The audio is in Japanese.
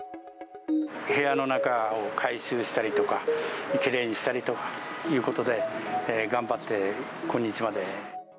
部屋の中を改修したりとか、きれいにしたりとかということで、頑張って今日まで。